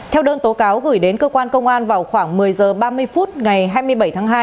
theo đơn tố cáo gửi đến cơ quan công an vào khoảng một mươi h ba mươi phút ngày hai mươi bảy tháng hai